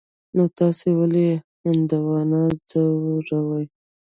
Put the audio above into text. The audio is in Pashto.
نو تاسې ولي هندوان ځوروئ.